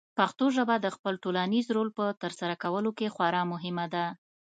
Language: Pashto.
پښتو ژبه د خپل ټولنیز رول په ترسره کولو کې خورا مهمه ده.